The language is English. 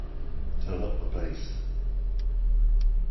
Turn up the bass.